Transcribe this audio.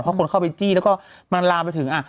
เพราะคนเข้าไปจี้แล้วก็มันลามไปถึง